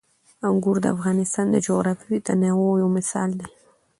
انګور د افغانستان د جغرافیوي تنوع یو مثال دی.